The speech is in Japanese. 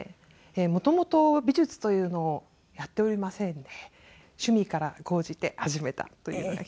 元々美術というのをやっておりませんで趣味から高じて始めたというような経緯です。